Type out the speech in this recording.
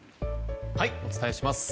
お伝えします。